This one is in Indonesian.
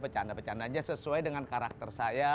pecanda pecahan aja sesuai dengan karakter saya